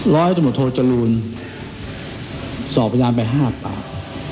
ร้อยจมตโธจรูลสอบพยานไป๕ปาก